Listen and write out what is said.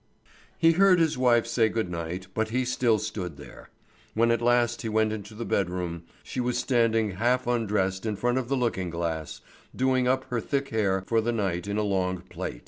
He heard his wife say good night, but he still stood there. When at last he went into the bedroom, she was standing half undressed in front of the looking glass, doing up her thick hair for the night in a long plait.